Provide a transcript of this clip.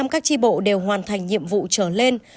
một trăm linh các tri bộ đều hoàn thành nhiệm vụ trở lên